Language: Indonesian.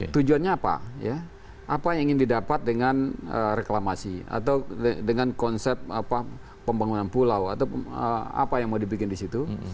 tujuannya apa apa yang ingin didapat dengan reklamasi atau dengan konsep pembangunan pulau atau apa yang mau dibikin di situ